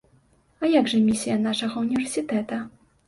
А як жа місія нашага ўніверсітэта?